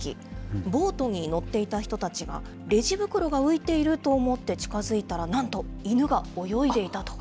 ボートに乗っていた人たちが、レジ袋が浮いていると思って近づいたら、なんと犬が泳いでいたと。